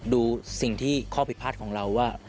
ดูสิ่งที่ข้อผิดพลาดของเราว่า